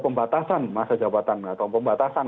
pembatasan masa jabatan atau pembatasan